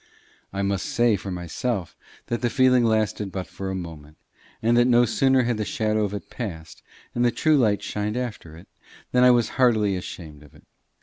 I must say for myself that the feeling lasted but for a moment, and that no sooner had the shadow of it passed and the true light shined after it, than I was heartily ashamed of it.